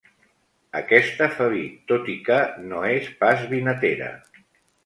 Aquesta fa vi, tot i que no és pas vinatera.